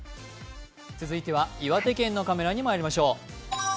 続いては岩手県のカメラにまいりましょう。